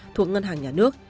thuộc ngân hàng nhà nước